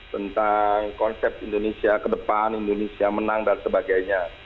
tentang konsep indonesia ke depan indonesia menang dan sebagainya